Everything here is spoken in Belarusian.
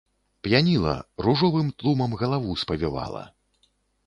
П'яніла, ружовым тлумам галаву спавівала.